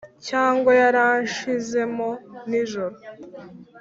cyangwa yaranshizemo nijoro.